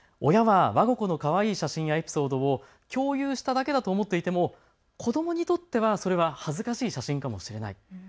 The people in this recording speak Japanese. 親はわが子のかわいい写真やエピソードを共有しただけだと思っていても、子どもにとってはそれは恥ずかしい写真かもしれない。